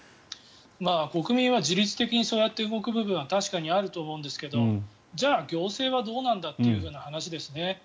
国民はそうやって自律的に動く部分は確かにあると思うんですけどじゃあ行政はどうなんだって話ですね。